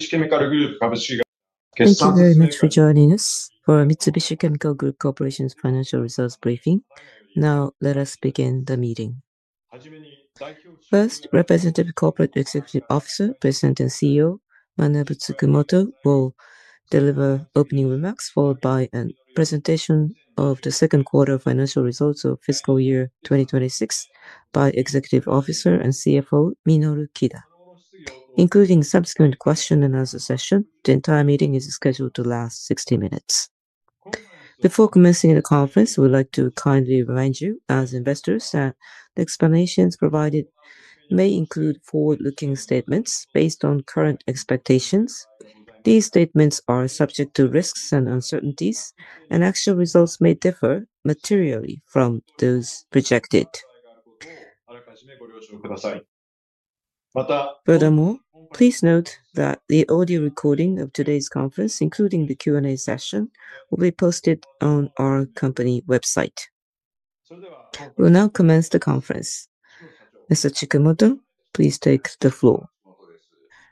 Thank you very much for joining us. Mitsubishi Chemical Group Corporation's financial results briefing. Now, let us begin the meeting. First, Representative Corporate Executive Officer, President and CEO, Manabu Chikumoto, will deliver opening remarks, followed by a presentation of the second quarter financial results of fiscal year 2026 by Executive Officer and CFO Minoru Kida. Including the subsequent question-and-answer session, the entire meeting is scheduled to last 60 minutes. Before commencing the conference, we'd like to kindly remind you, as investors, that the explanations provided may include forward-looking statements based on current expectations. These statements are subject to risks and uncertainties, and actual results may differ materially from those projected. Furthermore, please note that the audio recording of today's conference, including the Q&A session, will be posted on our company website. We'll now commence the conference. Mr. Chikumoto, please take the floor.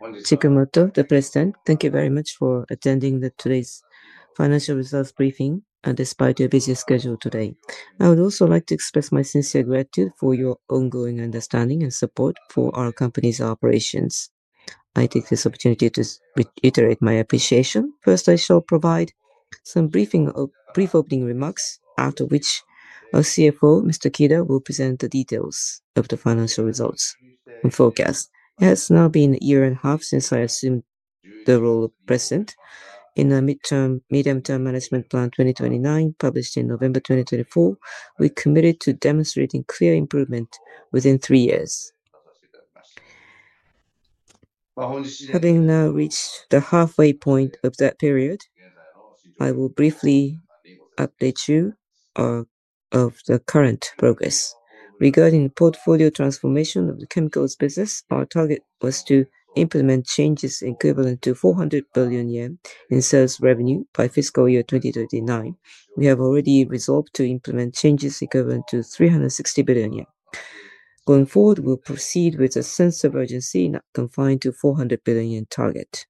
Chikumoto, the President, thank you very much for attending today's financial results briefing despite your busy schedule today. I would also like to express my sincere gratitude for your ongoing understanding and support for our company's operations. I take this opportunity to reiterate my appreciation. First, I shall provide some brief opening remarks, after which our CFO, Mr. Kida, will present the details of the financial results and forecast. It has now been a year and a half since I assumed the role of President. In our mid-term management plan 2029, published in November 2024, we committed to demonstrating clear improvement within three years. Having now reached the halfway point of that period, I will briefly update you on the current progress. Regarding the portfolio transformation of the chemicals business, our target was to implement changes equivalent to 400 billion yen in sales revenue by fiscal year 2039. We have already resolved to implement changes equivalent to 360 billion yen. Going forward, we'll proceed with a sense of urgency not confined to the 400 billion yen target.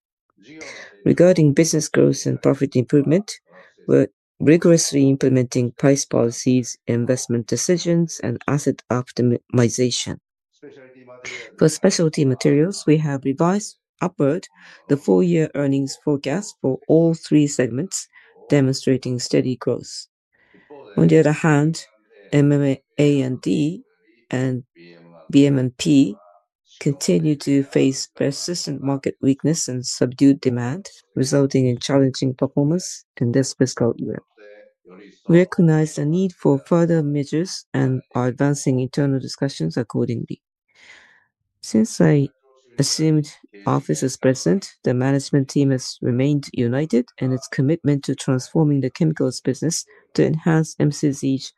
Regarding business growth and profit improvement, we're rigorously implementing price policies, investment decisions, and asset optimization. For specialty materials, we have revised upward the four-year earnings forecast for all three segments, demonstrating steady growth. On the other hand, MMA and D, and BM and P continue to face persistent market weakness and subdued demand, resulting in challenging performance in this fiscal year. We recognize the need for further measures and are advancing internal discussions accordingly. Since I assumed office as President, the management team has remained united in its commitment to transforming the chemicals business to enhance MCC's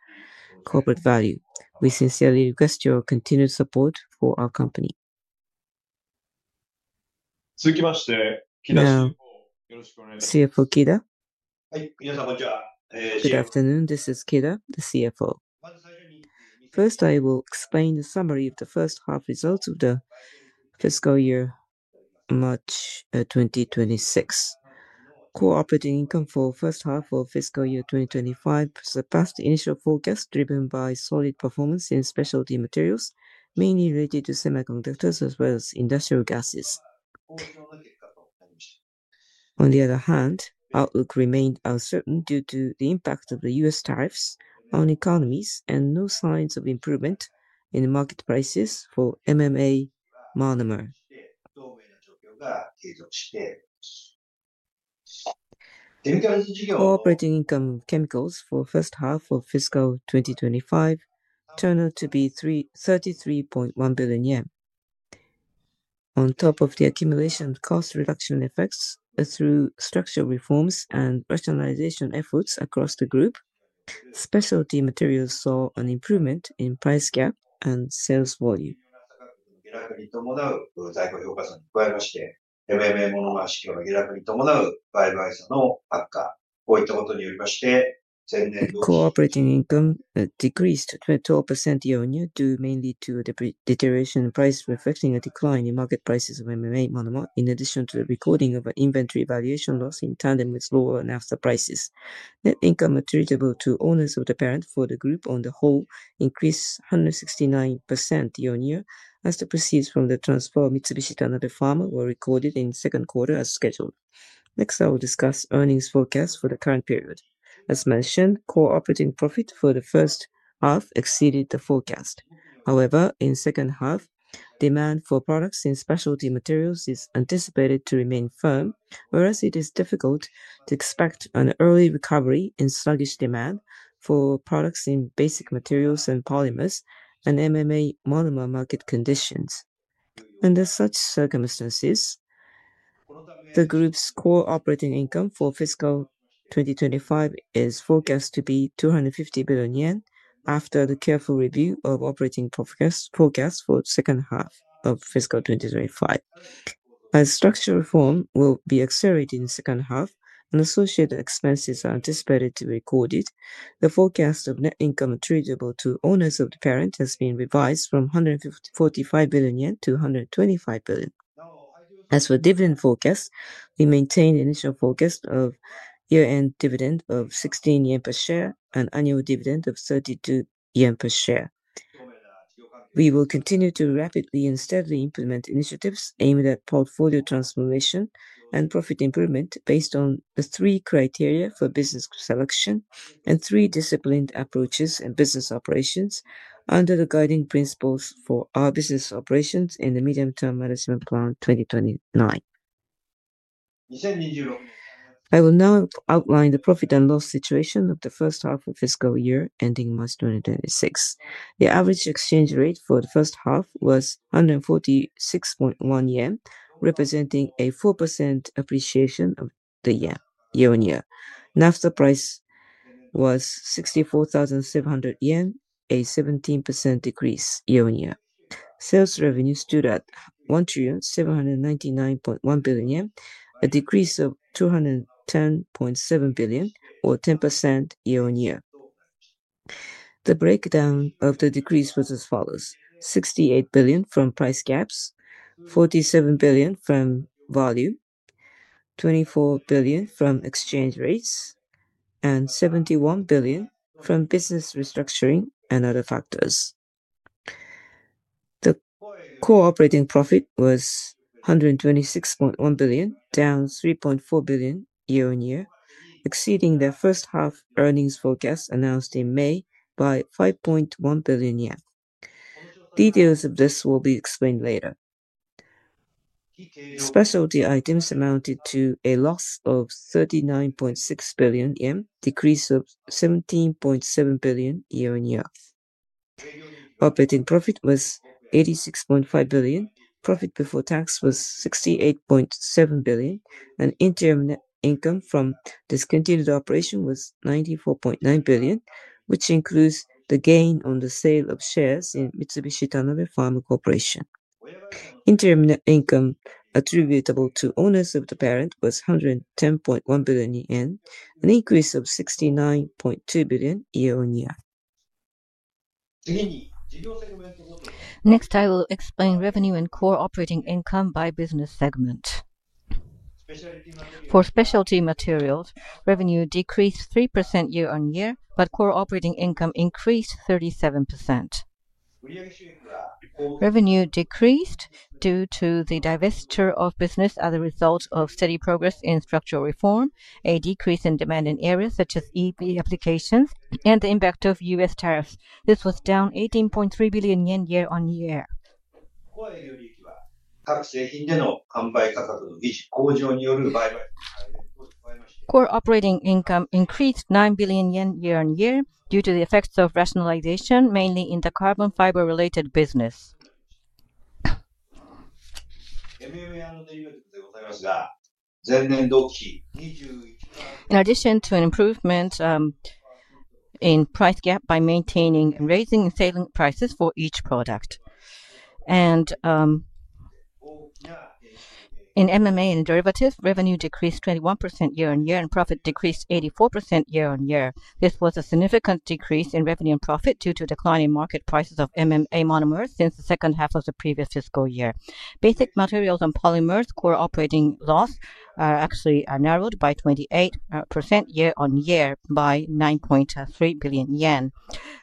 corporate value. We sincerely request your continued support for our company. CFO Kida. Good afternoon. This is Kida, the CFO. First, I will explain the summary of the first half results of the fiscal year March 2026. Core operating income for the first half of fiscal year 2025 surpassed the initial forecast, driven by solid performance in specialty materials, mainly related to semiconductors as well as industrial gases. On the other hand, outlook remained uncertain due to the impact of the U.S. tariffs on economies and no signs of improvement in market prices for methyl methacrylate monomer. For operating income of chemicals for the first half of fiscal 2025, turned out to be 33.1 billion yen. On top of the accumulation cost reduction effects through structural reforms and rationalization efforts across the group, specialty materials saw an improvement in price gap and sales volume. Core operating income decreased 12% year-on-year due mainly to the deterioration in price, reflecting a decline in market prices of methyl methacrylate monomer, in addition to the recording of an inventory valuation loss in tandem with lower and after prices. Net income attributable to owners of the parent for the group on the whole increased 169% year-on-year, as the proceeds from the transfer of Mitsubishi to another pharma were recorded in the second quarter as scheduled. Next, I will discuss earnings forecasts for the current period. As mentioned, core operating profit for the first half exceeded the forecast. However, in the second half, demand for products in specialty materials is anticipated to remain firm, whereas it is difficult to expect an early recovery in sluggish demand for products in basic materials and polymers and methyl methacrylate monomer market conditions. Under such circumstances, the group's core operating income for fiscal 2025 is forecast to be 250 billion yen after the careful review of operating forecasts for the second half of fiscal 2025. As structural reform will be accelerated in the second half and associated expenses are anticipated to be recorded, the forecast of net income attributable to owners of the parent has been revised from 145 billion yen to 125 billion. As for dividend forecasts, we maintain the initial forecast of year-end dividend of 16 yen per share and annual dividend of 32 yen per share. We will continue to rapidly and steadily implement initiatives aimed at portfolio transformation and profit improvement based on the three criteria for business selection and three disciplined approaches in business operations under the guiding principles for our business operations in the mid-term management plan 2029. I will now outline the profit and loss situation of the first half of fiscal year ending March 2026. The average exchange rate for the first half was 146.1 yen, representing a 4% appreciation of the year-on-year. After price was 64,700 yen, a 17% decrease year-on-year. Sales revenue stood at 1,799.1 billion yen, a decrease of 210.7 billion, or 10% year-on-year. The breakdown of the decrease was as follows: 68 billion from price gaps, 47 billion from volume, 24 billion from exchange rates, and 71 billion from business restructuring and other factors. The core operating profit was 126.1 billion, down 3.4 billion year-on-year, exceeding the first half earnings forecast announced in May by 5.1 billion yen. Details of this will be explained later. Specialty items amounted to a loss of 39.6 billion yen, a decrease of 17.7 billion year-on-year. Operating profit was 86.5 billion. Profit before tax was 68.7 billion. Interim net income from discontinued operation was 94.9 billion, which includes the gain on the sale of shares in Mitsubishi Tanabe Pharma Corporation. Interim net income attributable to owners of the parent was 110.1 billion yen, an increase of 69.2 billion year-on-year. Next, I will explain revenue and core operating income by business segment. For specialty materials, revenue decreased 3% year-on-year, but core operating income increased 37%. Revenue decreased due to the divestiture of business as a result of steady progress in structural reform, a decrease in demand in areas such as EV applications, and the impact of U.S. tariffs. This was down 18.3 billion yen year-on-year. Core operating income increased 9 billion yen year-on-year due to the effects of rationalization, mainly in the carbon fiber-related business, in addition to an improvement in price gap by maintaining and raising sale prices for each product. In MMA and derivatives, revenue decreased 21% year-on-year, and profit decreased 84% year-on-year. This was a significant decrease in revenue and profit due to a decline in market prices of MMA Monomers since the second half of the previous fiscal year. Basic materials and polymers' core operating loss actually narrowed by 28% year-on-year by JPY 9.3 billion.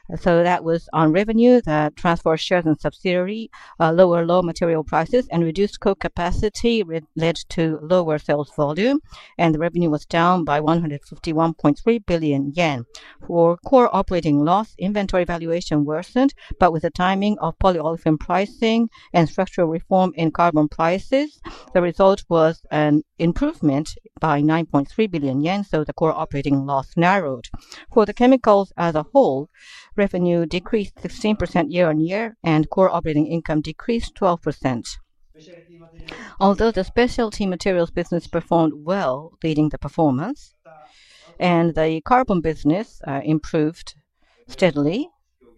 The transfer of shares and subsidiaries lowered raw material prices, and reduced core capacity led to lower sales volume, and the revenue was down by 151.3 billion yen. For core operating loss, inventory valuation worsened, but with the timing of polyolefin pricing and structural reform in carbon prices, the result was an improvement by 9.3 billion yen, so the core operating loss narrowed. For the chemicals as a whole, revenue decreased 16% year-on-year, and core operating income decreased 12%. Although the specialty materials business performed well, leading the performance, and the carbon business improved steadily,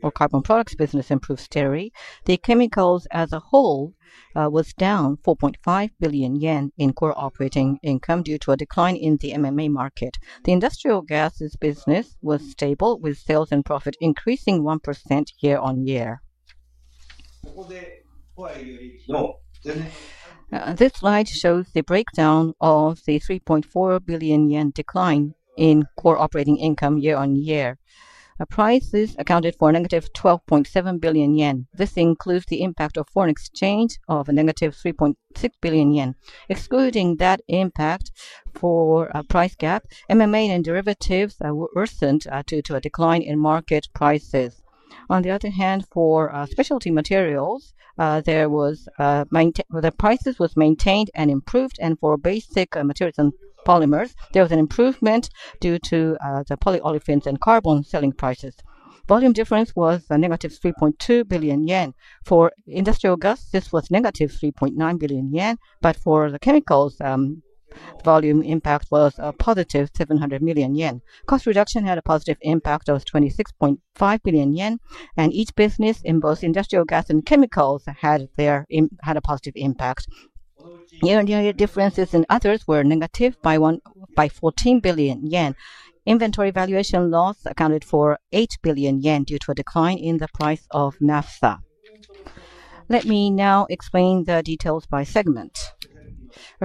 or carbon products business improved steadily, the chemicals as a whole was down 4.5 billion yen in core operating income due to a decline in the MMA market. The industrial gases business was stable, with sales and profit increasing 1% year-on-year. This slide shows the breakdown of the 3.4 billion yen decline in core operating income year-on-year. Prices accounted for a -12.7 billion yen. This includes the impact of foreign exchange of a -3.6 billion yen. Excluding that impact for price gap, MMA and derivatives worsened due to a decline in market prices. On the other hand, for specialty materials, the prices were maintained and improved, and for basic materials and polymers, there was an improvement due to the polyolefins and carbon selling prices. Volume difference was a -3.2 billion yen. For industrial gases, this was -3.9 billion yen, but for the chemicals, volume impact was a +700 million yen. Cost reduction had a positive impact of 26.5 billion yen, and each business in both industrial gases and chemicals had a positive impact. Year-on-year differences in others were negative by 14 billion yen. Inventory valuation loss accounted for 8 billion yen due to a decline in the price of naphtha. Let me now explain the details by segment.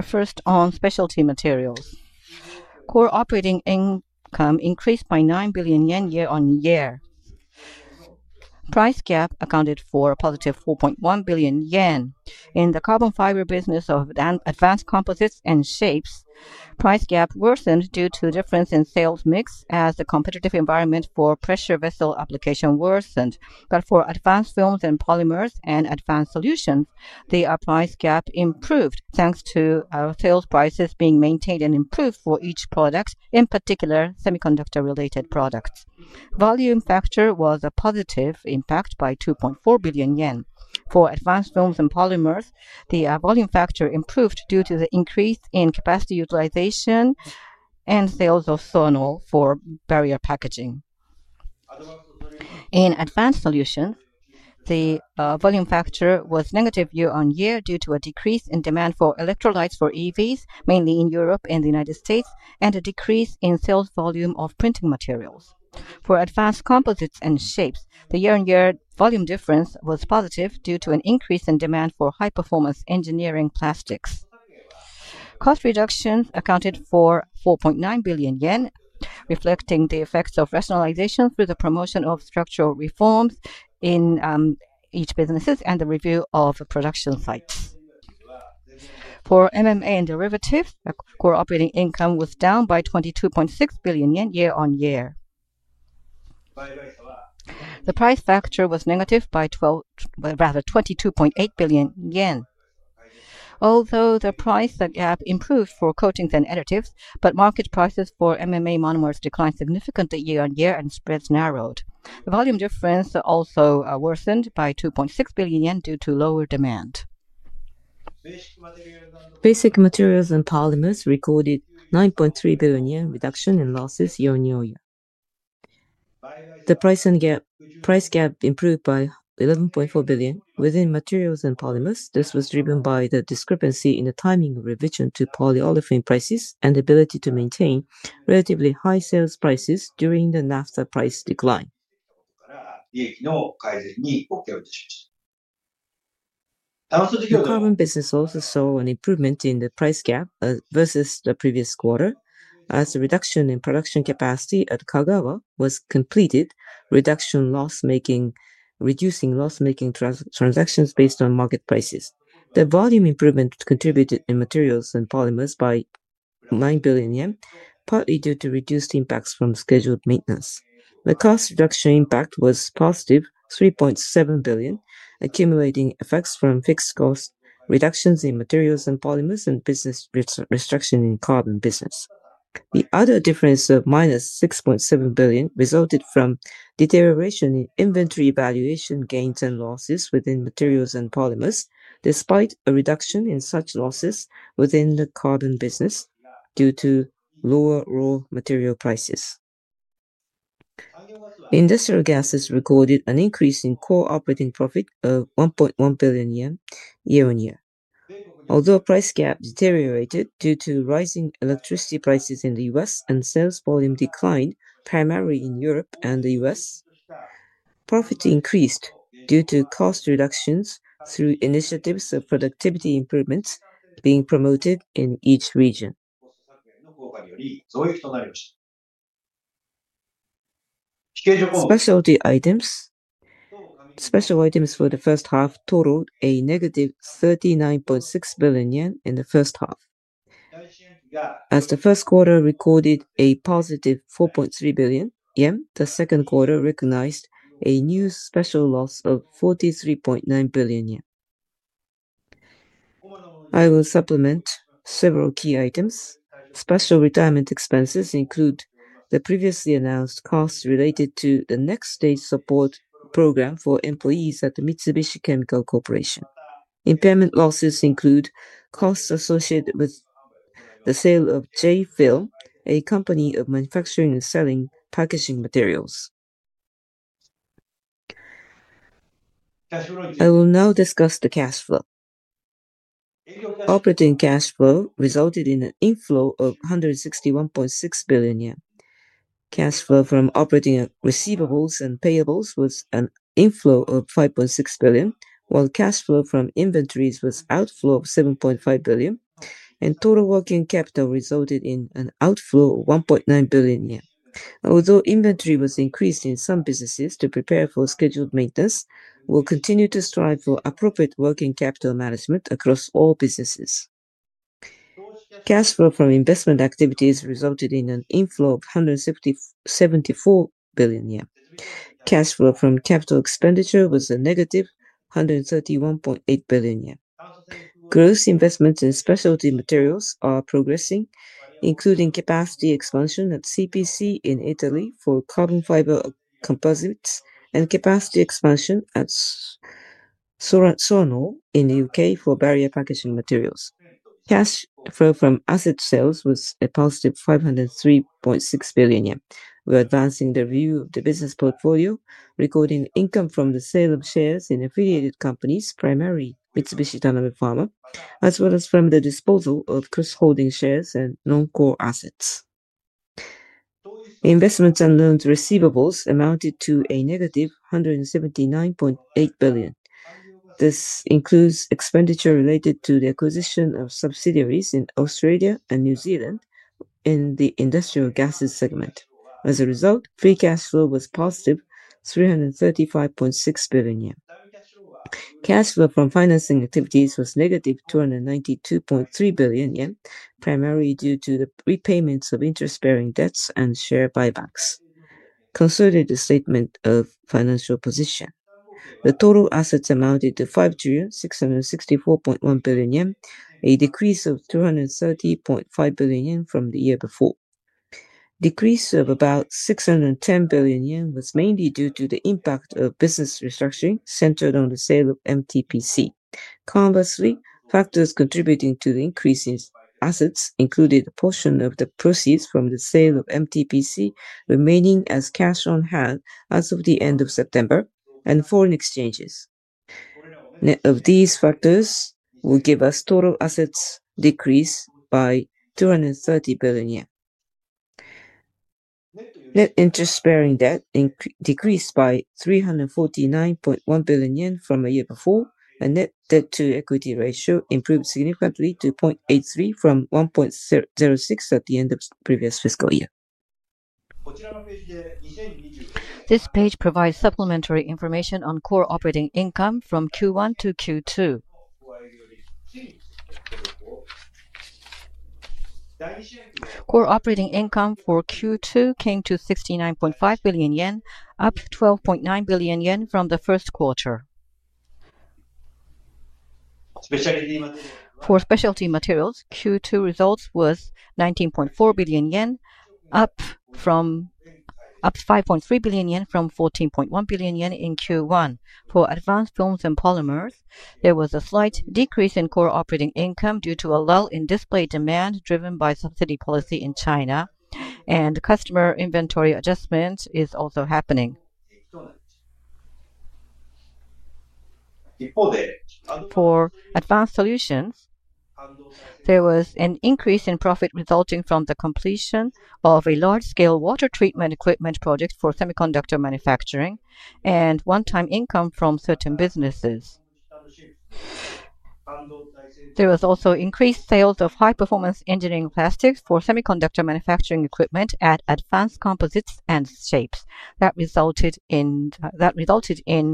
First, on specialty materials, core operating income increased by 9 billion yen year-on-year. Price gap accounted for a +4.1 billion yen. In the carbon fiber business of advanced composites and shapes, price gap worsened due to a difference in sales mix as the competitive environment for pressure vessel application worsened. For advanced films and polymers and advanced solutions, the price gap improved thanks to sales prices being maintained and improved for each product, in particular semiconductor-related products. Volume factor was a positive impact by 2.4 billion yen. For advanced films and polymers, the volume factor improved due to the increase in capacity utilization and sales of Soarnol for barrier packaging. In advanced solutions, the volume factor was negative year-on-year due to a decrease in demand for electrolytes for EVs, mainly in Europe and the United States, and a decrease in sales volume of printing materials. For advanced composites and shapes, the year-on-year volume difference was positive due to an increase in demand for high-performance engineering plastics. Cost reductions accounted for 4.9 billion yen, reflecting the effects of rationalization through the promotion of structural reforms in each business and the review of production sites. For MMA and derivatives, core operating income was down by 22.6 billion yen year-on-year. The price factor was negative by 22.8 billion yen. Although the price gap improved for coatings and additives, market prices for MMA Monomers declined significantly year-on-year, and spreads narrowed. The volume difference also worsened by 2.6 billion yen due to lower demand. Basic materials and polymers recorded a 9.3 billion yen reduction in losses year-on-year. The price gap improved by 11.4 billion within materials and polymers. This was driven by the discrepancy in the timing of revision to polyolefin prices and the ability to maintain relatively high sales prices during the naphtha price decline. Carbon business losses saw an improvement in the price gap versus the previous quarter. As the reduction in production capacity at Kagawa was completed, reduction loss-making. Transactions based on market prices. The volume improvement contributed in materials and polymers by 9 billion yen, partly due to reduced impacts from scheduled maintenance. The cost reduction impact was positive, 3.7 billion, accumulating effects from fixed cost reductions in materials and polymers and business restriction in carbon business. The other difference of minus 6.7 billion resulted from deterioration in inventory valuation gains and losses within materials and polymers, despite a reduction in such losses within the carbon business due to lower raw material prices. Industrial gases recorded an increase in core operating profit of 1.1 billion yen year-on-year. Although price gap deteriorated due to rising electricity prices in the U.S. and sales volume decline, primarily in Europe and the U.S., profit increased due to cost reductions through initiatives of productivity improvements being promoted in each region. Specialty items for the first half totaled a -39.6 billion yen in the first half. As the first quarter recorded a +4.3 billion yen, the second quarter recognized a new special loss of 43.9 billion yen. I will supplement several key items. Special retirement expenses include the previously announced costs related to the Next-stage Support Program for employees at Mitsubishi Chemical Corporation. Impairment losses include costs associated with the sale of J-Film, a company of manufacturing and selling packaging materials. I will now discuss the cash flow. Operating cash flow resulted in an inflow of 161.6 billion yen. Cash flow from operating receivables and payables was an inflow of 5.6 billion, while cash flow from inventories was an outflow of 7.5 billion, and total working capital resulted in an outflow of 1.9 billion yen. Although inventory was increased in some businesses to prepare for scheduled maintenance, we will continue to strive for appropriate working capital management across all businesses. Cash flow from investment activities resulted in an inflow of 174 billion yen. Cash flow from capital expenditure was a -131.8 billion yen. Gross investments in specialty materials are progressing, including capacity expansion at CPC in Italy for carbon fiber composites and capacity expansion at Soarnol in the U.K. for barrier packaging materials. Cash flow from asset sales was a +503.6 billion yen. We are advancing the review of the business portfolio, recording income from the sale of shares in affiliated companies, primarily Mitsubishi Tanabe Pharma, as well as from the disposal of cross-holding shares and non-core assets. Investments and loaned receivables amounted to a -179.8 billion. This includes expenditure related to the acquisition of subsidiaries in Australia and New Zealand in the industrial gases segment. As a result, free cash flow was +335.6 billion yen. Cash flow from financing activities was -292.3 billion yen, primarily due to the repayments of interest-bearing debts and share buybacks. Consider the statement of financial position. The total assets amounted to 5,664.1 billion yen, a decrease of 230.5 billion yen from the year before. The decrease of about 610 billion yen was mainly due to the impact of business restructuring centered on the sale of Mitsubishi Tanabe Pharma. Conversely, factors contributing to the increase in assets included a portion of the proceeds from the sale of Mitsubishi Tanabe Pharma remaining as cash on hand as of the end of September and foreign exchanges. Of these factors, we give us total assets decrease by JPY 230 billion. Net interest-bearing debt decreased by 349.1 billion yen from a year before, and net debt-to-equity ratio improved significantly to 0.83x from 1.06x at the end of the previous fiscal year. This page provides supplementary information on core operating income from Q1 to Q2. Core operating income for Q2 came to 69.5 billion yen, up 12.9 billion yen from the first quarter. For specialty materials, Q2 results were 19.4 billion yen, up 5.3 billion yen from 14.1 billion yen in Q1. For advanced films and polymers, there was a slight decrease in core operating income due to a lull in display demand driven by subsidy policy in China, and customer inventory adjustment is also happening. For advanced solutions. There was an increase in profit resulting from the completion of a large-scale water treatment equipment project for semiconductor manufacturing and one-time income from certain businesses. There was also increased sales of high-performance engineering plastics for semiconductor manufacturing equipment at advanced composites and shapes. That resulted in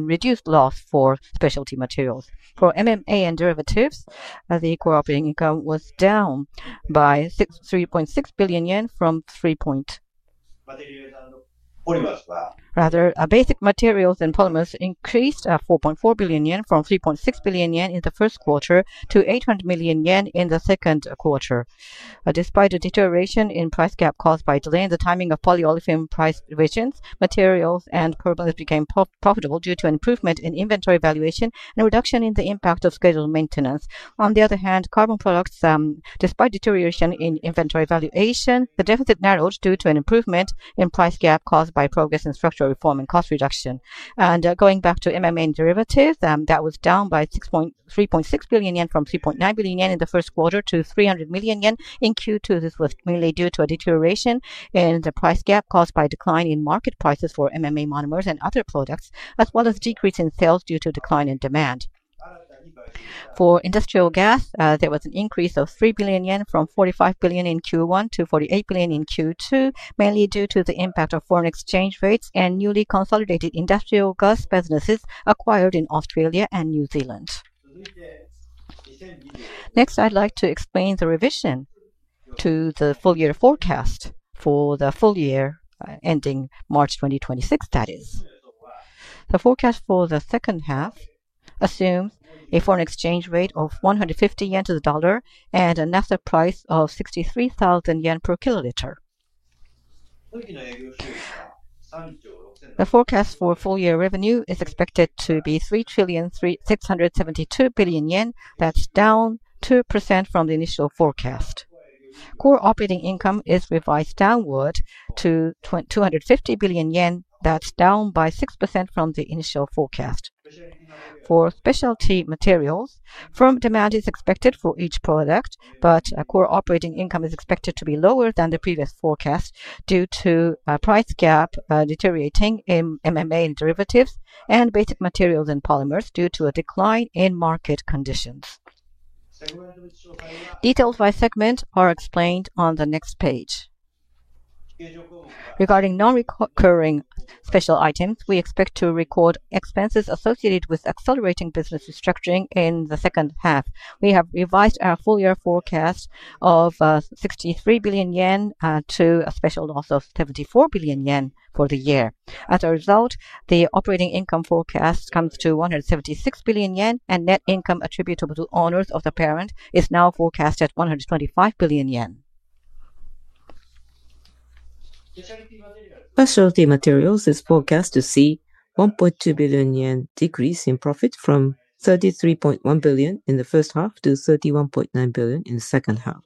reduced loss for specialty materials. For MMA and derivatives, the core operating income was down by 63.6 billion yen from [3. billion] Rather, basic materials and polymers increased at 4.4 billion yen from 3.6 billion yen in the first quarter to 800 million yen in the second quarter. Despite the deterioration in price gap caused by delay in the timing of polyolefin price revisions, materials and polymers became profitable due to an improvement in inventory valuation and a reduction in the impact of scheduled maintenance. On the other hand, carbon products, despite deterioration in inventory valuation, the deficit narrowed due to an improvement in price gap caused by progress in structural reform and cost reduction. Going back to MMA and derivatives, that was down by 3.6 billion yen from 3.9 billion yen in the first quarter to 300 million yen in Q2. This was mainly due to a deterioration in the price gap caused by a decline in market prices for MMA Monomers and other products, as well as a decrease in sales due to a decline in demand. For industrial gas, there was an increase of 3 billion yen from 45 billion in Q1 to 48 billion in Q2, mainly due to the impact of foreign exchange rates and newly consolidated industrial gas businesses acquired in Australia and New Zealand. Next, I'd like to explain the revision to the full-year forecast for the full year ending March 2026. The forecast for the second half assumes a foreign exchange rate of 150 yen to the dollar and a naphtha price of 63,000 yen per kiloliter. The forecast for full-year revenue is expected to be 3,672 billion yen, that's down 2% from the initial forecast. Core operating income is revised downward to 250 billion yen, that's down by 6% from the initial forecast. For specialty materials, firm demand is expected for each product, but core operating income is expected to be lower than the previous forecast due to a price gap deteriorating in MMA and derivatives and basic materials and polymers due to a decline in market conditions. Details by segment are explained on the next page. Regarding non-recurring special items, we expect to record expenses associated with accelerating business restructuring in the second half. We have revised our full-year forecast of 63 billion yen to a special loss of 74 billion yen for the year. As a result, the operating income forecast comes to 176 billion yen, and net income attributable to owners of the parent is now forecast at 125 billion yen. Specialty materials is forecast to see a 1.2 billion yen decrease in profit from 33.1 billion in the first half to 31.9 billion in the second half.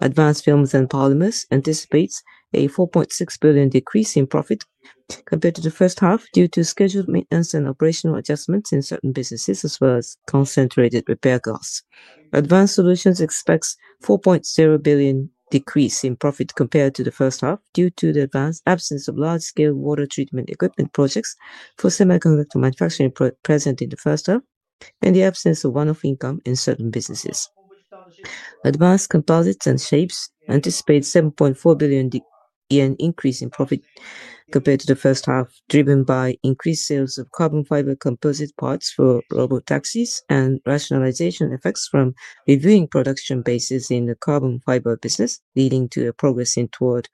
Advanced films and polymers anticipate a 4.6 billion decrease in profit compared to the first half due to scheduled maintenance and operational adjustments in certain businesses, as well as concentrated repair costs. Advanced solutions expect a 4.0 billion decrease in profit compared to the first half due to the absence of large-scale water treatment equipment projects for semiconductor manufacturing present in the first half and the absence of one-off income in certain businesses. Advanced composites and shapes anticipate a 7.4 billion yen increase in profit compared to the first half, driven by increased sales of carbon fiber composite parts for robotaxis and rationalization effects from reviewing production bases in the carbon fiber business, leading to a progression toward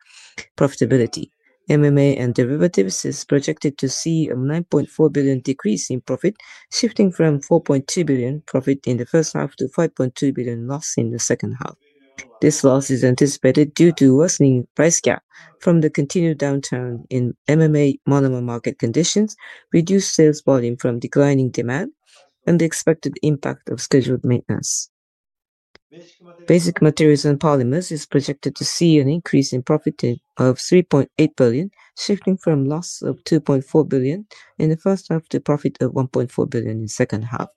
profitability. MMA and derivatives is projected to see a 9.4 billion decrease in profit, shifting from 4.2 billion profit in the first half to 5.2 billion loss in the second half. This loss is anticipated due to worsening price gap from the continued downturn in MMA monomer market conditions, reduced sales volume from declining demand, and the expected impact of scheduled maintenance. Basic materials and polymers is projected to see an increase in profit of 3.8 billion, shifting from a loss of 2.4 billion in the first half to a profit of 1.4 billion in the second half.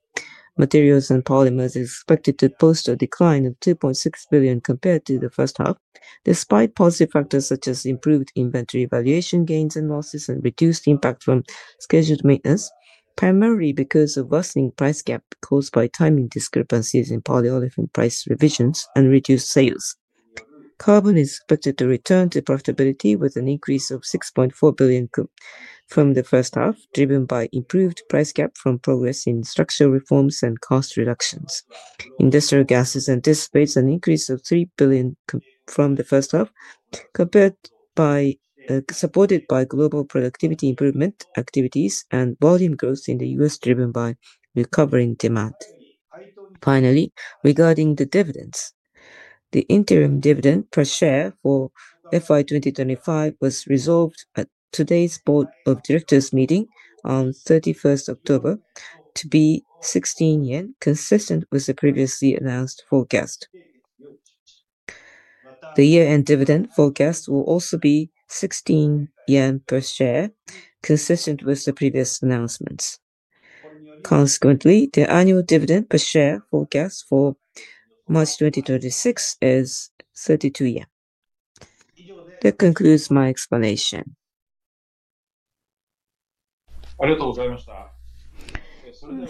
Materials and polymers is expected to post a decline of 2.6 billion compared to the first half, despite positive factors such as improved inventory valuation gains and losses and reduced impact from scheduled maintenance, primarily because of worsening price gap caused by timing discrepancies in polyolefin price revisions and reduced sales. Carbon is expected to return to profitability with an increase of 6.4 billion from the first half, driven by improved price gap from progress in structural reforms and cost reductions. Industrial gases anticipates an increase of 3 billion from the first half, supported by global productivity improvement activities and volume growth in the U.S. driven by recovering demand. Finally, regarding the dividends, the interim dividend per share for FY 2025 was resolved at today's Board of Directors meeting on 31st October to be 16 yen, consistent with the previously announced forecast. The year-end dividend forecast will also be 16 yen per share, consistent with the previous announcements. Consequently, the annual dividend per share forecast for March 2026 is 32. That concludes my explanation.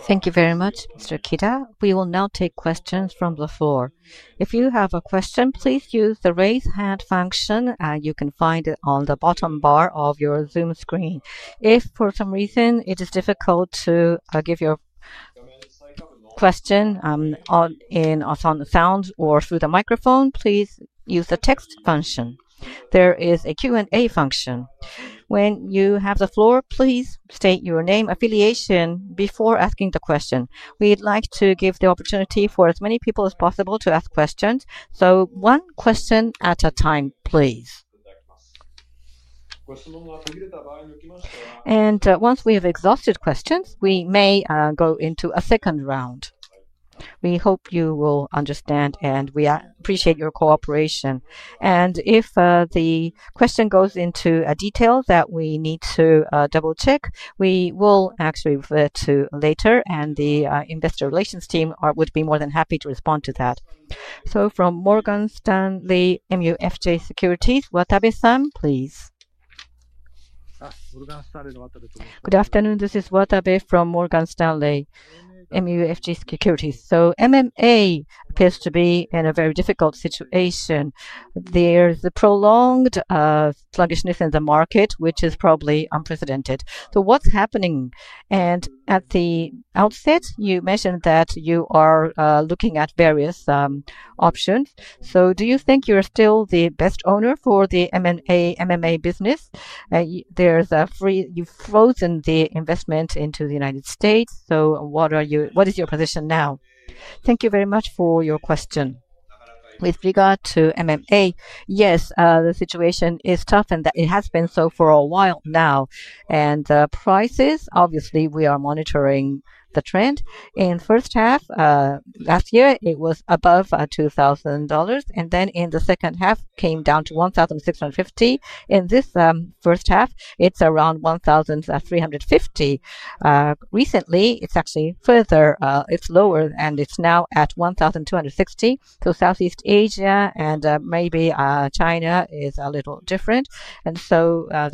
Thank you very much, Mr. Kida. We will now take questions from the floor. If you have a question, please use the raise hand function. You can find it on the bottom bar of your Zoom screen. If for some reason it is difficult to give your question in autonomous sound or through the microphone, please use the text function. There is a Q&A function. When you have the floor, please state your name and affiliation before asking the question. We'd like to give the opportunity for as many people as possible to ask questions, so one question at a time, please. Once we have exhausted questions, we may go into a second round. We hope you will understand, and we appreciate your cooperation. If the question goes into a detail that we need to double-check, we will actually refer to it later, and the Investor Relations team would be more than happy to respond to that. From Morgan Stanley MUFG Securities, Watabe-san, please. Good afternoon. This is Watabe from Morgan Stanley MUFG Securities. MMA appears to be in a very difficult situation. There is a prolonged sluggishness in the market, which is probably unprecedented. What's happening? At the outset, you mentioned that you are looking at various options. Do you think you're still the best owner for the MMA business? You've frozen the investment into the United States. What is your position now? Thank you very much for your question. With regard to MMA, yes, the situation is tough, and it has been so for a while now. Prices, obviously, we are monitoring the trend. In the first half last year, it was above $2,000, and then in the second half, it came down to $1,650. In this first half, it's around $1,350. Recently, it's actually further lower, and it's now at $1,260. Southeast Asia and maybe China is a little different.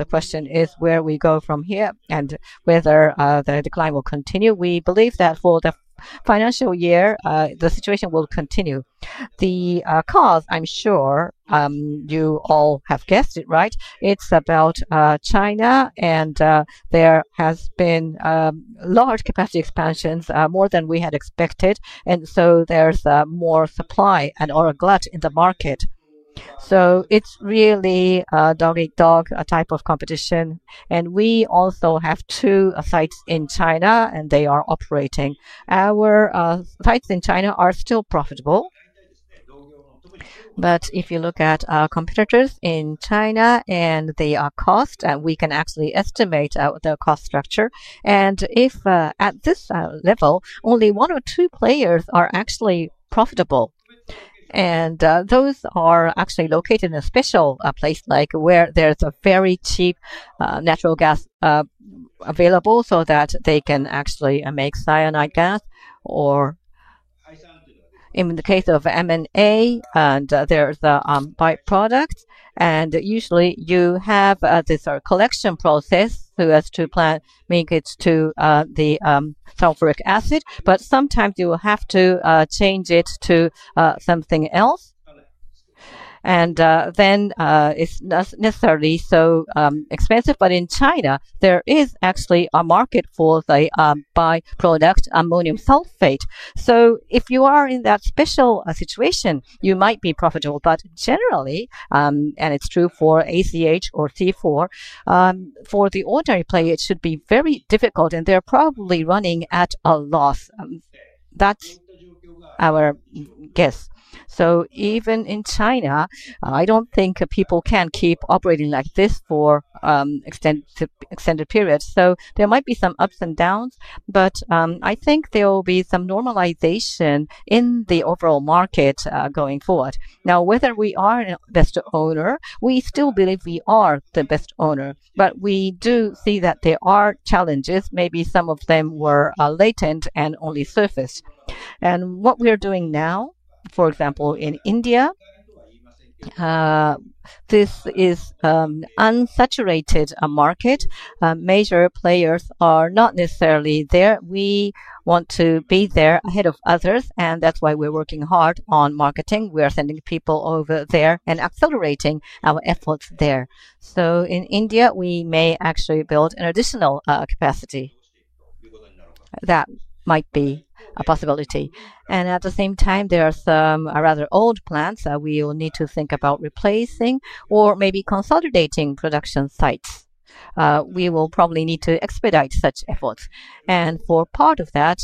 The question is where we go from here and whether the decline will continue. We believe that for the financial year, the situation will continue. The cause, I'm sure you all have guessed it, right? It's about China, and there has been large capacity expansions, more than we had expected. There is more supply and/or glut in the market. It is really dog-eat-dog type of competition. We also have two sites in China, and they are operating. Our sites in China are still profitable. If you look at competitors in China and their cost, we can actually estimate the cost structure. If at this level, only one or two players are actually profitable, those are actually located in a special place where there's very cheap natural gas available so that they can actually make cyanide gas. In the case of MMA, there's a byproduct. Usually, you have this collection process that has to make it to the sulfuric acid, but sometimes you will have to change it to something else. Then it's not necessarily so expensive. In China, there is actually a market for the byproduct, ammonium sulfate. If you are in that special situation, you might be profitable. Generally, and it's true for ACH or C4, for the ordinary play, it should be very difficult, and they're probably running at a loss. That's our guess. Even in China, I don't think people can keep operating like this for an extended period. There might be some ups and downs, but I think there will be some normalization in the overall market going forward. Whether we are the best owner, we still believe we are the best owner. We do see that there are challenges. Maybe some of them were latent and only surfaced. What we are doing now, for example, in India, this is an unsaturated market. Major players are not necessarily there. We want to be there ahead of others, and that's why we're working hard on marketing. We are sending people over there and accelerating our efforts there. In India, we may actually build an additional capacity. That might be a possibility. At the same time, there are some rather old plants that we will need to think about replacing or maybe consolidating production sites. We will probably need to expedite such efforts. For part of that,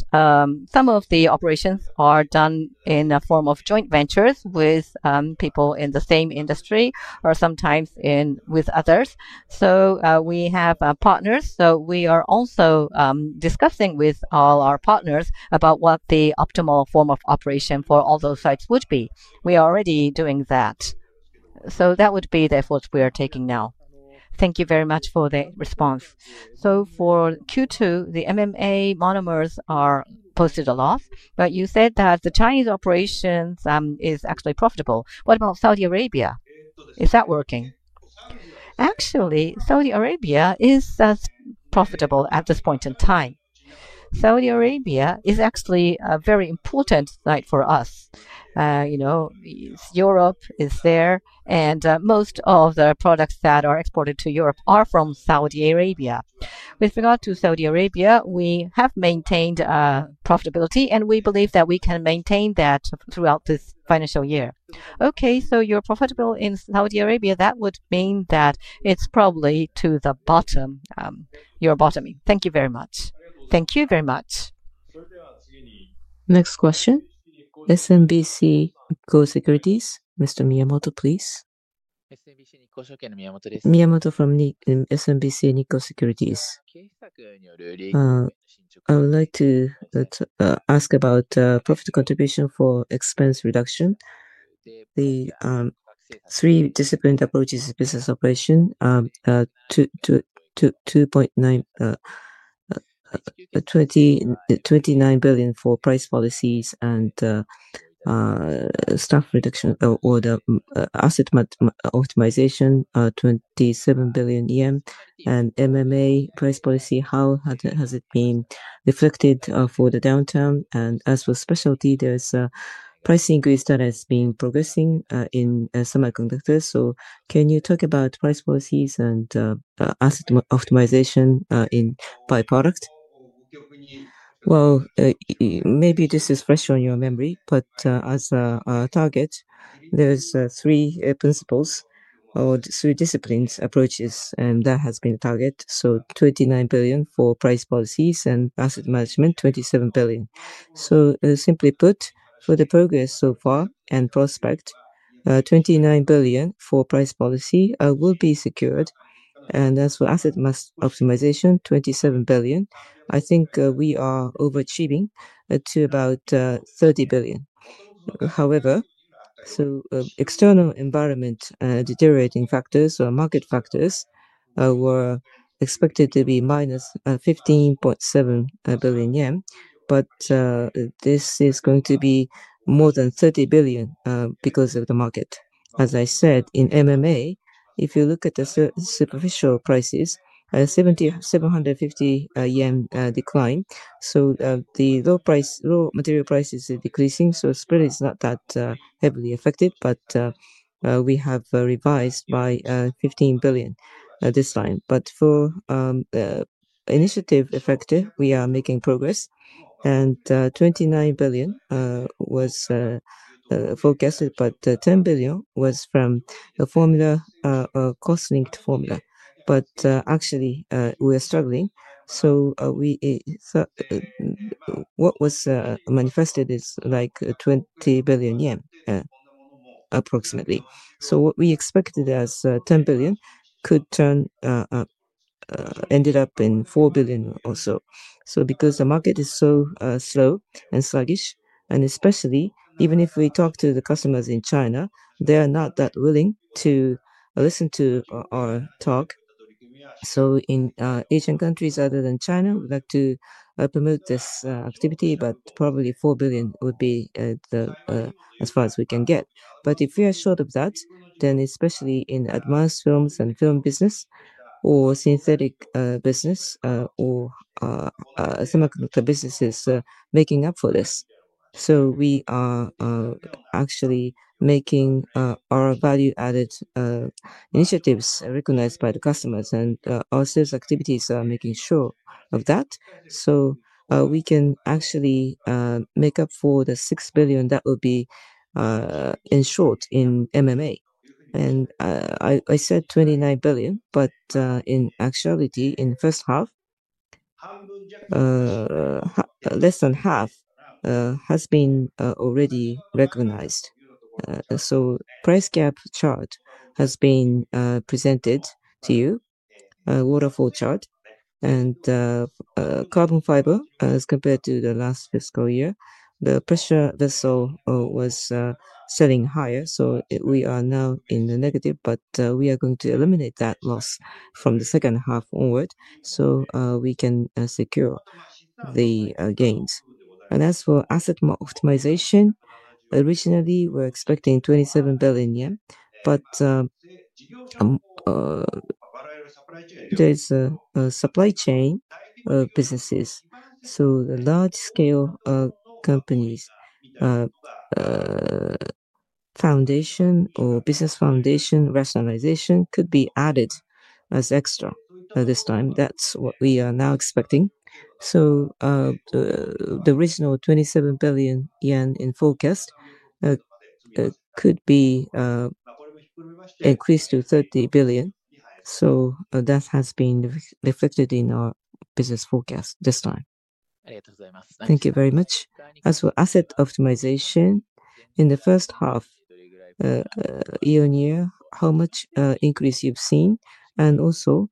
some of the operations are done in a form of joint ventures with people in the same industry or sometimes with others. We have partners. We are also discussing with all our partners about what the optimal form of operation for all those sites would be. We are already doing that. That would be the efforts we are taking now. Thank you very much for the response. For Q2, the MMA Monomers posted a loss. You said that the Chinese operations are actually profitable. What about Saudi Arabia? Is that working? Actually, Saudi Arabia is profitable at this point in time. Saudi Arabia is actually a very important site for us. Europe is there, and most of the products that are exported to Europe are from Saudi Arabia. With regard to Saudi Arabia, we have maintained profitability, and we believe that we can maintain that throughout this financial year. Okay, so you're profitable in Saudi Arabia. That would mean that it's probably to the bottom. You're bottoming. Thank you very much. Thank you very much. Next question. SMBC Nikko Securities Inc., Mr. Miyamoto, please. Miyamoto from SMBC Nikko Securities Inc. I would like to ask about profit contribution for expense reduction. The three disciplined approaches to business operation. 29 billion for price policies and staff reduction or the asset optimization, 27 billion yen, and MMA price policy. How has it been reflected for the downturn? As for specialty, there's a price increase that has been progressing in semiconductors. Can you talk about price policies and asset optimization in byproduct? Maybe this is fresh on your memory, but as a target, there's three principles or three disciplined approaches, and that has been targeted. 29 billion for price policies and asset management, 27 billion. Simply put, for the progress so far and prospect, 29 billion for price policy will be secured. As for asset optimization, 27 billion, I think we are overachieving to about 30 billion. However, external environment and deteriorating factors or market factors were expected to be -15.7 billion yen. This is going to be more than 30 billion because of the market. As I said, in MMA, if you look at the superficial prices, a 7,750 yen decline. The low material prices are decreasing, so spread is not that heavily affected, but we have revised by 15 billion this time. For initiative effective, we are making progress. 29 billion was forecasted, but 10 billion was from a cost-linked formula. Actually, we are struggling. What was manifested is like 20 billion yen, approximately. What we expected as 10 billion could turn. Ended up in 4 billion or so. Because the market is so slow and sluggish, and especially even if we talk to the customers in China, they are not that willing to listen to our talk. In Asian countries other than China, we'd like to promote this activity, but probably 4 billion would be as far as we can get. If we are short of that, then especially in advanced films and film business or synthetic business or semiconductor businesses making up for this. We are actually making our value-added initiatives recognized by the customers, and our sales activities are making sure of that. We can actually make up for the 6 billion that would be in short in methyl methacrylate. I said 29 billion, but in actuality, in the first half, less than half has been already recognized. Price gap chart has been presented to you, waterfall chart. Carbon fiber as compared to the last fiscal year, the pressure vessel was selling higher, so we are now in the negative, but we are going to eliminate that loss from the second half onward so we can secure the gains. As for asset optimization, originally we're expecting 27 billion yen, but there's a supply chain of businesses. The large-scale companies' foundation or business foundation rationalization could be added as extra this time. That's what we are now expecting. The original 27 billion yen in forecast could be increased to 30 billion. That has been reflected in our business forecast this time. Thank you very much. As for asset optimization, in the first half, year-on-year, how much increase you've seen? Also,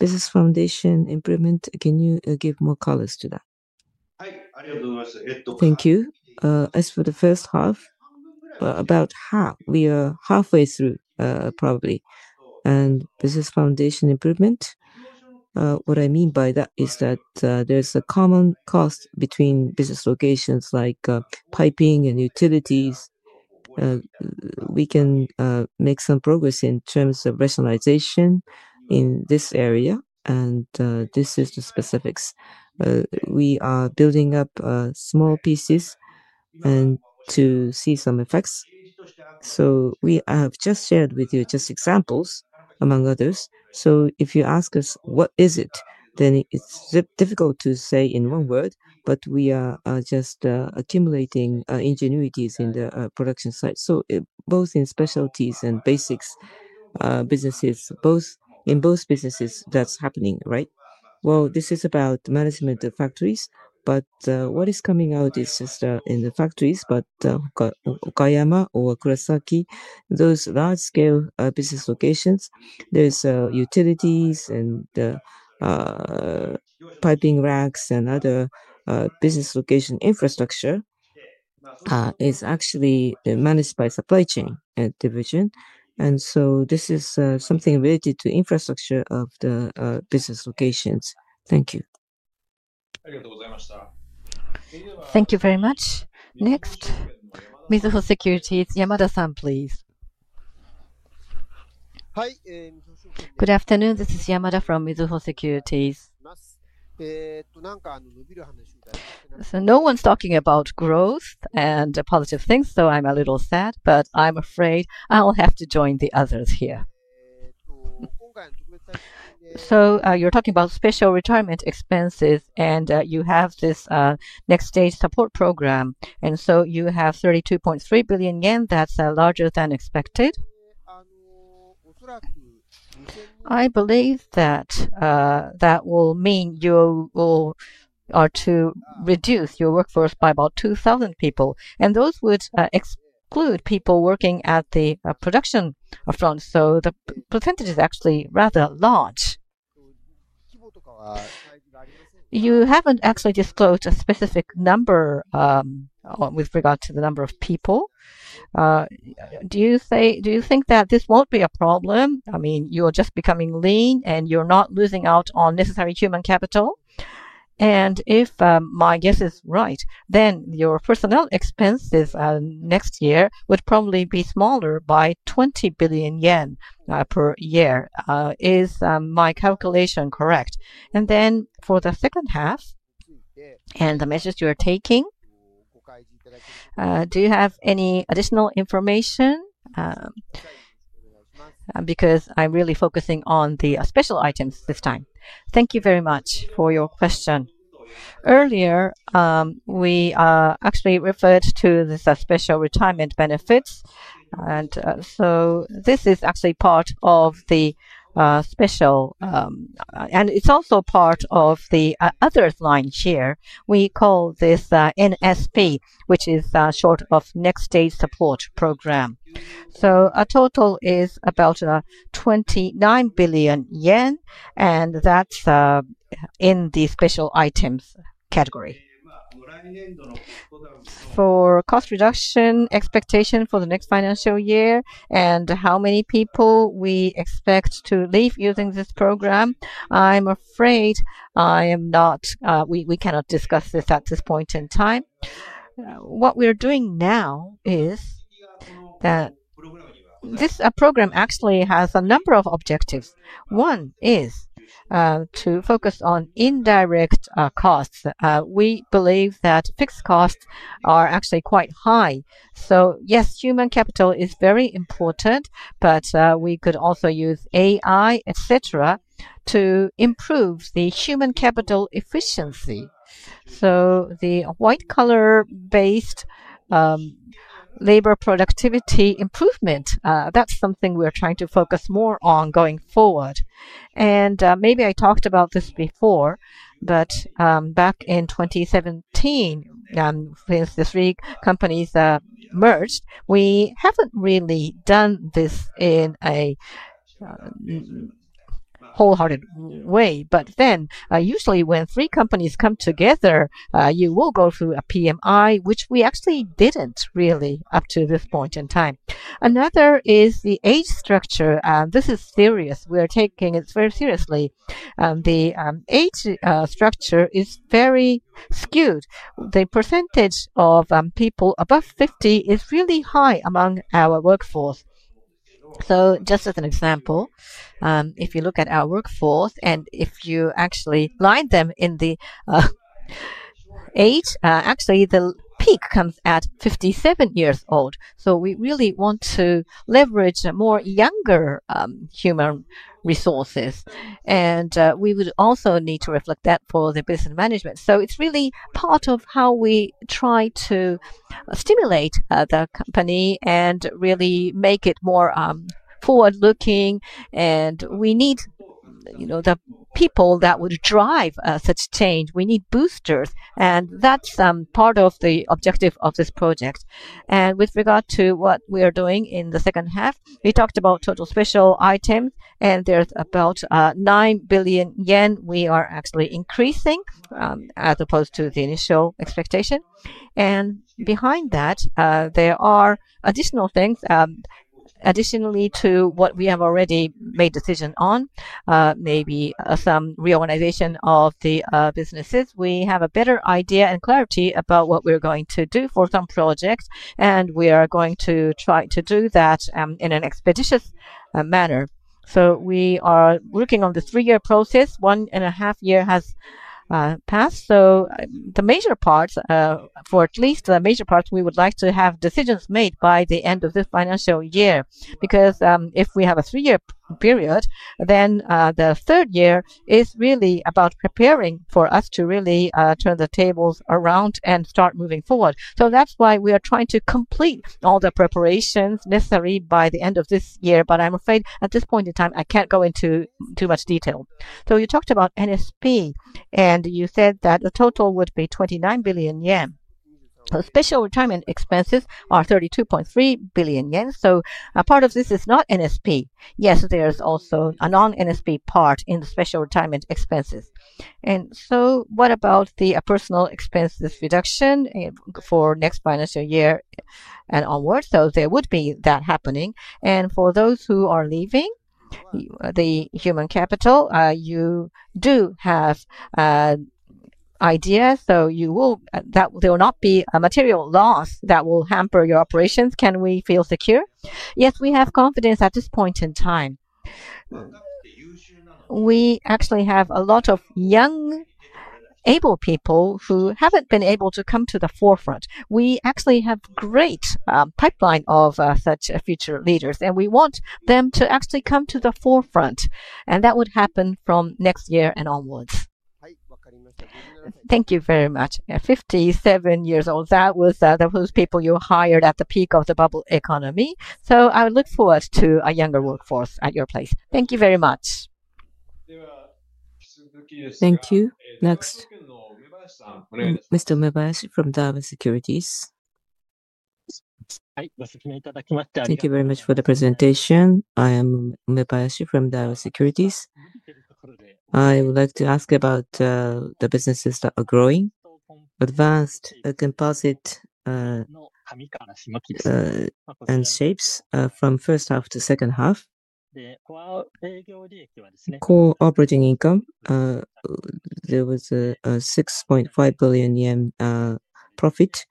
business foundation improvement, can you give more colors to that? Thank you. As for the first half, about half, we are halfway through, probably. Business foundation improvement, what I mean by that is that there's a common cost between business locations like piping and utilities. We can make some progress in terms of rationalization in this area. This is the specifics. We are building up small pieces to see some effects. We have just shared with you just examples, among others. If you ask us, "What is it?" then it's difficult to say in one word, but we are just accumulating ingenuities in the production site. Both in specialties and basics businesses, in both businesses, that's happening, right? This is about management of factories. What is coming out is just in the factories, but. Okayama or Kurosaki, those large-scale business locations, there's utilities and piping racks and other business location infrastructure. It is actually managed by the supply chain division, and this is something related to the infrastructure of the business locations. Thank you. Thank you very much. Next, Mizuho Securities, Yamada-san, please. Good afternoon. This is Yamada from Mizuho Securities. No one's talking about growth and positive things, so I'm a little sad, but I'm afraid I'll have to join the others here. You're talking about special retirement expenses, and you have this Next-stage Support Program. You have 32.3 billion yen. That's larger than expected. I believe that will mean you will reduce your workforce by about 2,000 people, and those would exclude people working at the production front. The percentage is actually rather large. You haven't actually disclosed a specific number with regard to the number of people. Do you think that this won't be a problem? I mean, you're just becoming lean, and you're not losing out on necessary human capital. If my guess is right, then your personnel expenses next year would probably be smaller by 20 billion yen per year. Is my calculation correct? For the second half and the measures you are taking, do you have any additional information? I'm really focusing on the special items this time. Thank you very much for your question. Earlier, we actually referred to the special retirement benefits, and this is actually part of the special, and it's also part of the other line here. We call this NSP, which is short for Next-stage Support Program. A total is about 29 billion yen, and that's in the special items category. For cost reduction expectation for the next financial year and how many people we expect to leave using this program, I'm afraid I am not, we cannot discuss this at this point in time. What we're doing now is that this program actually has a number of objectives. One is to focus on indirect costs. We believe that fixed costs are actually quite high. Yes, human capital is very important, but we could also use AI, etc., to improve the human capital efficiency. The white-collar-based labor productivity improvement, that's something we're trying to focus more on going forward. Maybe I talked about this before, but back in 2017, since the three companies merged, we haven't really done this in a wholehearted way. Usually, when three companies come together, you will go through a PMI, which we actually didn't really up to this point in time. Another is the age structure. This is serious. We are taking it very seriously. The age structure is very skewed. The percentage of people above 50 is really high among our workforce. Just as an example, if you look at our workforce and if you actually line them in the age, actually, the peak comes at 57 years old. We really want to leverage more younger human resources. We would also need to reflect that for the business management. It's really part of how we try to stimulate the company and really make it more forward-looking. We need the people that would drive such change. We need boosters. That's part of the objective of this project. With regard to what we are doing in the second half, we talked about total special items, and there's about 9 billion yen we are actually increasing as opposed to the initial expectation. Behind that, there are additional things. Additionally to what we have already made decisions on, maybe some reorganization of the businesses. We have a better idea and clarity about what we're going to do for some projects, and we are going to try to do that in an expeditious manner. We are working on the three-year process. One and a half years has passed. For at least the major parts, we would like to have decisions made by the end of this financial year. If we have a three-year period, then the third year is really about preparing for us to really turn the tables around and start moving forward. That's why we are trying to complete all the preparations necessary by the end of this year. I'm afraid at this point in time, I can't go into too much detail. You talked about NSP, and you said that the total would be 29 billion yen. Special retirement expenses are 32.3 billion yen. Part of this is not NSP. Yes, there's also a non-NSP part in the special retirement expenses. What about the personal expenses reduction for next financial year and onward? There would be that happening. For those who are leaving, the human capital, you do have ideas. There will not be a material loss that will hamper your operations. Can we feel secure? Yes, we have confidence at this point in time. We actually have a lot of young, able people who haven't been able to come to the forefront. We actually have a great pipeline of such future leaders, and we want them to actually come to the forefront. That would happen from next year and onwards. Thank you very much. 57 years old. Those were the people you hired at the peak of the bubble economy. I would look forward to a younger workforce at your place. Thank you very much. Thank you. Next. Mr. Umebayashi from Daiwa Securities. Thank you very much for the presentation. I am Umebayashi from Daiwa Securities. I would like to ask about the businesses that are growing. Advanced composites and shapes from first half to second half. Core operating income. There was a 6.5 billion yen profit.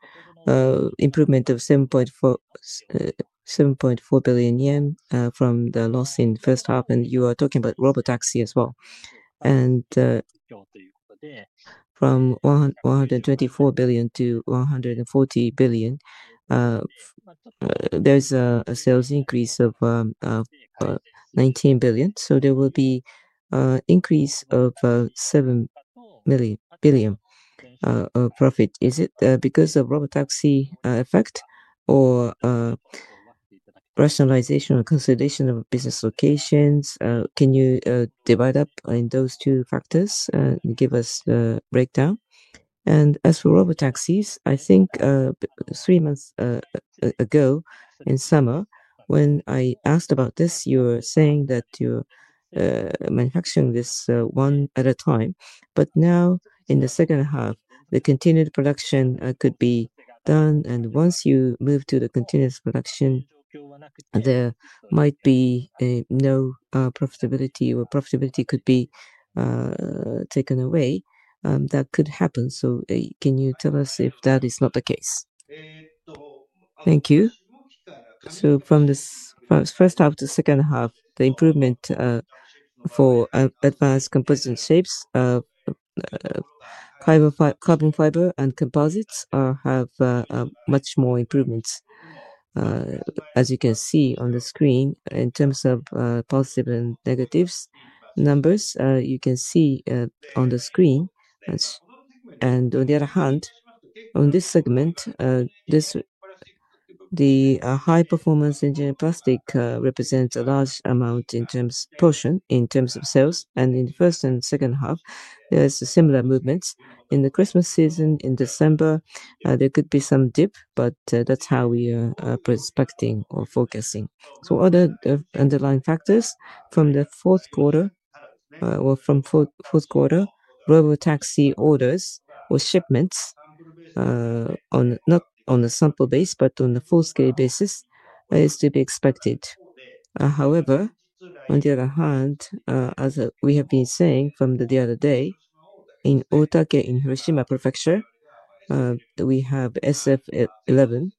Improvement of 7.4 billion yen from the loss in first half. You are talking about robotaxi as well. From 124 billion to 140 billion, there's a sales increase of 19 billion. There will be an increase of 7 billion of profit. Is it because of robotaxi effect or rationalization or consolidation of business locations? Can you divide up in those two factors and give us a breakdown? As for robotaxis, I think three months ago in summer, when I asked about this, you were saying that you're manufacturing this one at a time. Now, in the second half, the continued production could be done. Once you move to the continuous production, there might be no profitability or profitability could be taken away. That could happen. Can you tell us if that is not the case? Thank you. From the first half to second half, the improvement for advanced composite shapes, carbon fiber and composites have much more improvements. As you can see on the screen, in terms of positive and negative numbers, you can see on the screen. On the other hand, on this segment, the high-performance engine plastic represents a large amount in terms of portion, in terms of sales. In the first and second half, there's a similar movement. In the Christmas season, in December, there could be some dip, but that's how we are prospecting or focusing. Other underlying factors from the fourth quarter or from fourth quarter, robotaxi orders or shipments, not on a sample base, but on a full-scale basis, is to be expected. However, on the other hand, as we have been saying from the other day, in Otake in Hiroshima Prefecture, we have SF-11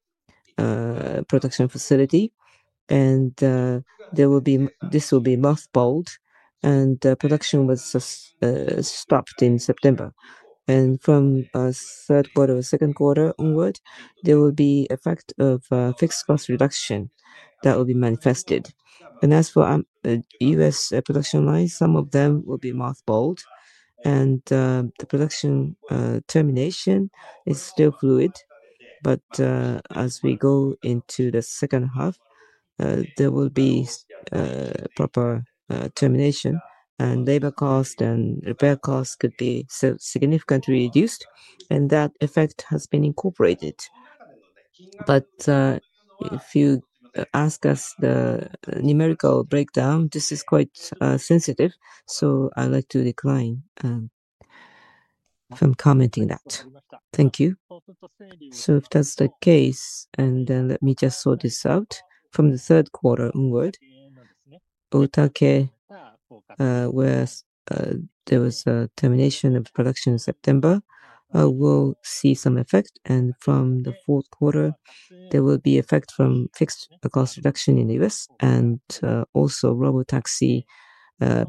production facility. This will be mothballed, and production was stopped in September. From. Third quarter or second quarter onward, there will be an effect of fixed cost reduction that will be manifested. As for U.S. production lines, some of them will be mothballed. The production termination is still fluid, but as we go into the second half, there will be proper termination, and labor costs and repair costs could be significantly reduced. That effect has been incorporated. If you ask us the numerical breakdown, this is quite sensitive, so I'd like to decline from commenting on that. Thank you. If that's the case, let me just sort this out. From the third quarter onward, Otake, where there was a termination of production in September, will see some effect. From the fourth quarter, there will be effect from fixed cost reduction in the U.S., and also robotaxi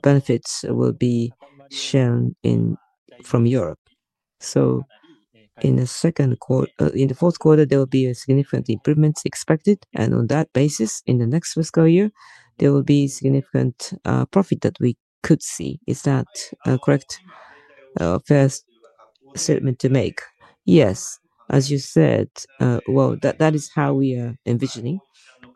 benefits will be shown from Europe. In the fourth quarter, there will be a significant improvement expected. On that basis, in the next fiscal year, there will be significant profit that we could see. Is that a correct statement to make? Yes, as you said, that is how we are envisioning.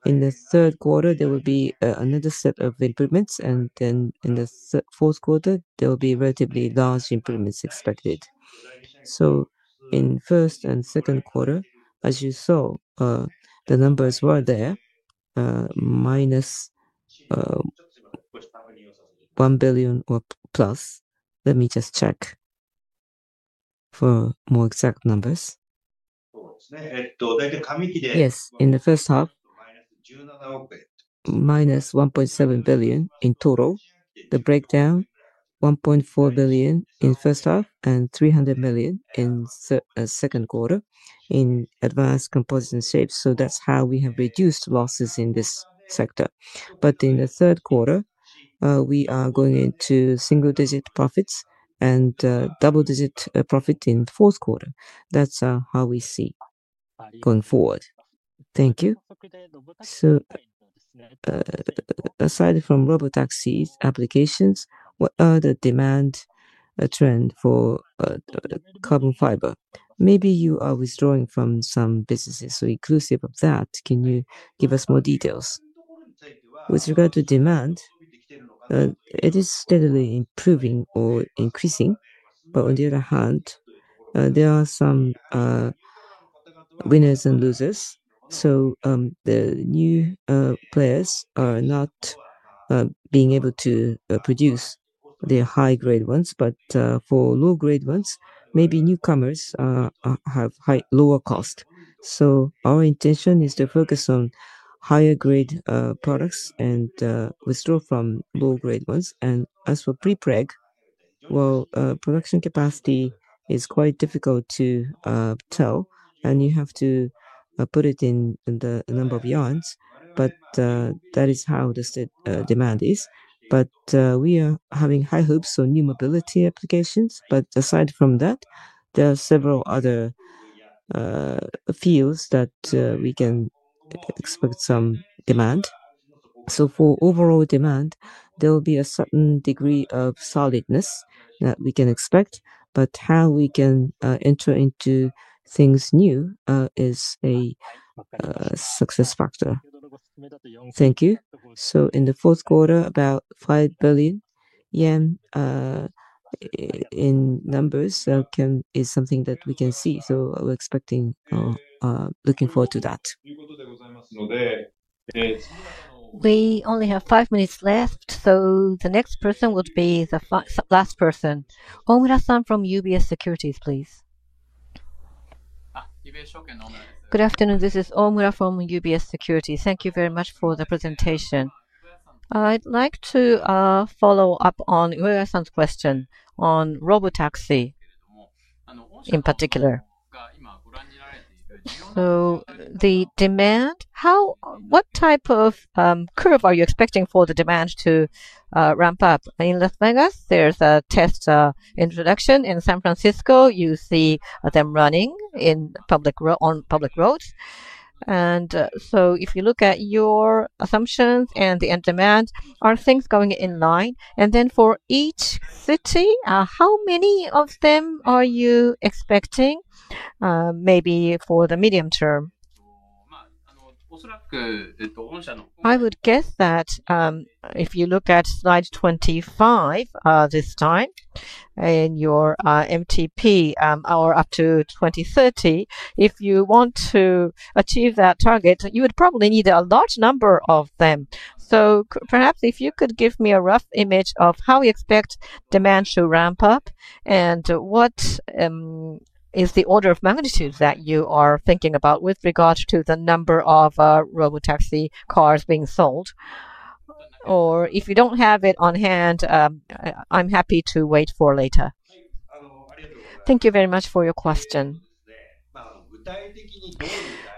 In the third quarter, there will be another set of improvements, and then in the fourth quarter, there will be relatively large improvements expected. In first and second quarter, as you saw, the numbers were there. Minus 1 billion or plus. Let me just check for more exact numbers. Yes, in the first half, -1.7 billion in total. The breakdown, 1.4 billion in first half and 300 million in second quarter in advanced composite shapes. That's how we have reduced losses in this sector. In the third quarter, we are going into single-digit profits and double-digit profit in the fourth quarter. That's how we see going forward. Thank you. Aside from robotaxi applications, what are the demand trends for carbon fiber? Maybe you are withdrawing from some businesses, so inclusive of that, can you give us more details? With regard to demand, it is steadily improving or increasing. On the other hand, there are some winners and losers. The new players are not being able to produce their high-grade ones, but for low-grade ones, maybe newcomers have lower cost. Our intention is to focus on higher-grade products and withdraw from low-grade ones. As for pre-preg, production capacity is quite difficult to tell, and you have to put it in the number of yards, but that is how the demand is. We are having high hopes for new mobility applications. Aside from that, there are several other fields that we can expect some demand. For overall demand, there will be a certain degree of solidness that we can expect. How we can enter into things new is a success factor. Thank you. In the fourth quarter, about 5 billion yen in numbers is something that we can see. We're looking forward to that. We only have five minutes left. The next person would be the last person. Omura-san from UBS Securities, please. Good afternoon. This is Omura from UBS Securities. Thank you very much for the presentation. I'd like to follow up on Ueda-san's question on robotaxi in particular. The demand, what type of curve are you expecting for the demand to ramp up? In Las Vegas, there's a test introduction. In San Francisco, you see them running on public roads. If you look at your assumptions and the end demand, are things going in line? For each city, how many of them are you expecting, maybe for the medium term? I would guess that if you look at slide 25 this time, in your MTP, or up to 2030, if you want to achieve that target, you would probably need a large number of them. Perhaps if you could give me a rough image of how you expect demand to ramp up and what is the order of magnitude that you are thinking about with regard to the number of robotaxi cars being sold. If you don't have it on hand, I'm happy to wait for later. Thank you very much for your question.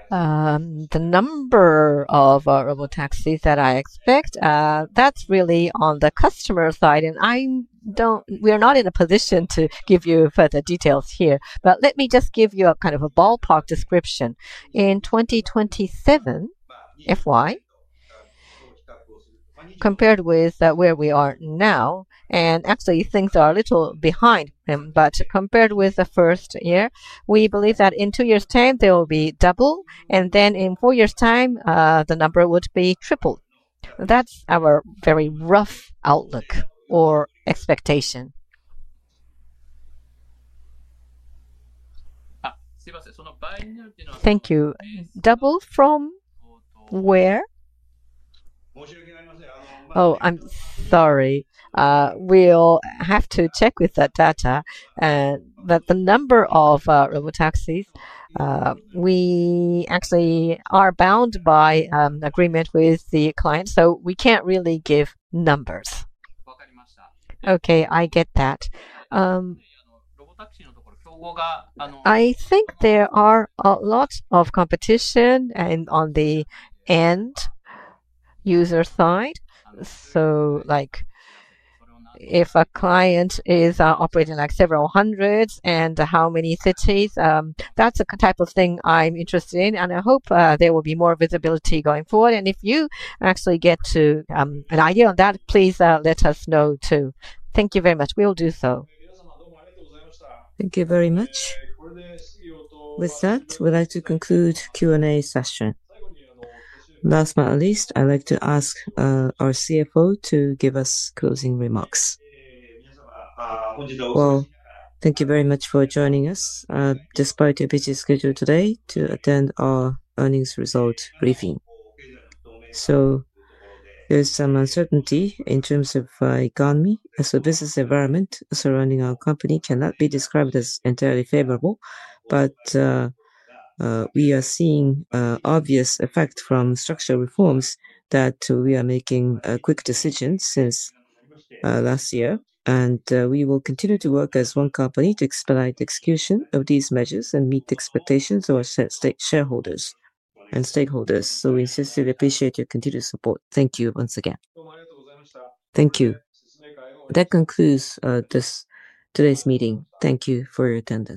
The number of robotaxis that I expect, that's really on the customer side, and we are not in a position to give you further details here. Let me just give you a kind of a ballpark description. In 2027, if compared with where we are now, and actually, things are a little behind him, but compared with the first year, we believe that in two years' time, there will be double. In four years' time, the number would be triple. That's our very rough outlook or expectation. Thank you. Double from where? Oh, I'm sorry. We'll have to check with that data. The number of robotaxis, we actually are bound by agreement with the client, so we can't really give numbers. Okay, I get that. I think there are a lot of competition on the end user side. If a client is operating several hundreds and how many cities, that's the type of thing I'm interested in. I hope there will be more visibility going forward. If you actually get an idea on that, please let us know too. Thank you very much. We'll do so. Thank you very much. With that, we'd like to conclude the Q&A session. Last but not least, I'd like to ask our CFO to give us closing remarks. Thank you very much for joining us despite your busy schedule today to attend our earnings result briefing. There is some uncertainty in terms of the economy. The business environment surrounding our company cannot be described as entirely favorable. We are seeing obvious effects from structural reforms and we are making quick decisions since last year. We will continue to work as one company to expedite the execution of these measures and meet the expectations of our shareholders and stakeholders. We sincerely appreciate your continued support. Thank you once again. Thank you. That concludes today's meeting. Thank you for your attendance.